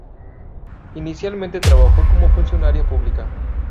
Inicialmente trabajó como funcionaria pública.